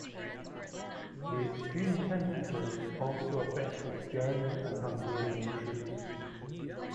The extreme temperatures also affected German and Hungarian troops.